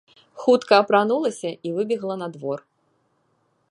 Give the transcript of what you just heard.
Хутка апранулася і выбегла на двор.